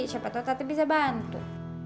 siapa tau tapi bisa bantu